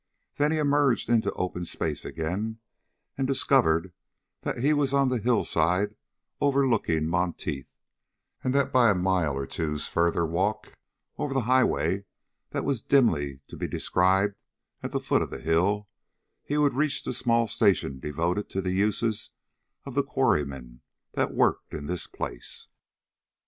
Then he emerged into open space again, and discovered that he was on the hillside overlooking Monteith, and that by a mile or two's further walk over the highway that was dimly to be descried at the foot of the hill, he would reach the small station devoted to the uses of the quarrymen that worked in this place.